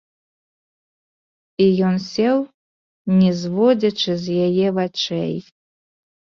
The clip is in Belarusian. І ён сеў, не зводзячы з яе вачэй.